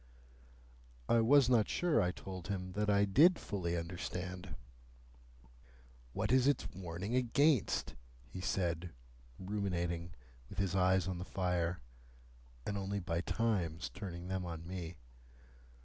I was not sure, I told him, that I did fully understand. "What is its warning against?" he said, ruminating, with his eyes on the fire, and only by times turning them on me.